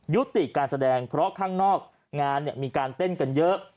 ยุติการแสดงเพราะข้างนอกงานมีการเต้นกันเยอะ